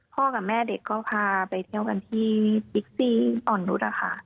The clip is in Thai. พ่อกับแม่เด็กก็พาไปเที่ยวกันที่อ่อนรุษฐ์ค่ะ